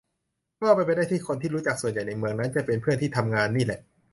ก็เป็นไปได้ที่คนที่รู้จักส่วนใหญ่ในเมืองนั้น จะเป็นเพื่อนที่ทำงานนี่แหละ